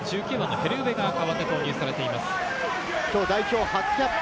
１９番のヘル・ウヴェが代わって投入されています。